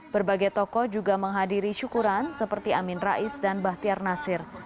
berbagai tokoh juga menghadiri syukuran seperti amin rais dan bahtiar nasir